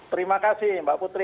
terima kasih mbak putri